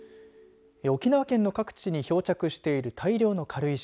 沖縄県の各地に漂着している大量の軽石。